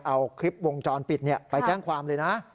เอาคลิปวงจรปิดไปแจ้งความเลยนะ